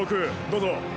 どうぞ。